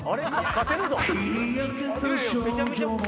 勝てるぞ。